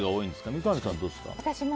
三上さんはどうですか？